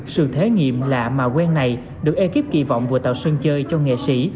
sự thể nghiệm lạ mà quen này được ekip kỳ vọng vừa tạo sân chơi cho nghệ sĩ